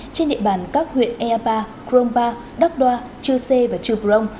trên địa bàn các huyện ea ba crom ba đắk đoa chư sê và chư prong